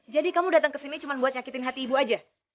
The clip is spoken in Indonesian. jadi kamu datang ke sini cuma buat nyakitin hati ibu aja